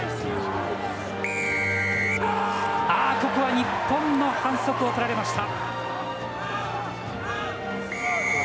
ここは日本の反則を取られました。